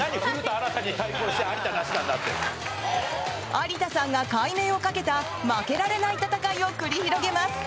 有田さんが改名を賭けた負けられない戦いを繰り広げます！